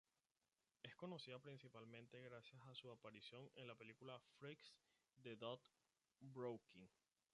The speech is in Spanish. Es conocida principalmente gracias a su aparición en la película Freaks de Tod Browning.